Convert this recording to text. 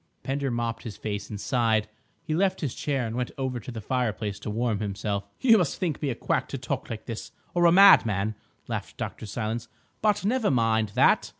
Pender mopped his face and sighed. He left his chair and went over to the fireplace to warm himself. "You must think me a quack to talk like this, or a madman," laughed Dr. Silence. "But never mind that.